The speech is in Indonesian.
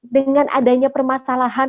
dengan adanya permasalahan